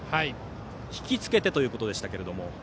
引き付けてということでしたが。